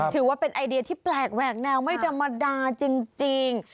ถือว่าเป็นไอเดียที่แปลกแหวกแนวไม่ธรรมดาจริง